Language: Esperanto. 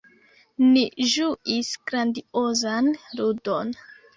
Ni ĝuis grandiozan ludon.